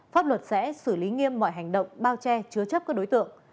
pháp luật sẽ xử lý nghiêm mọi hành động bao che chứa chấp các đối tượng